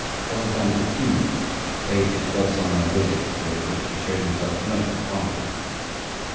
President de Thou paid his godson a visit during which he showed himself most fatherly.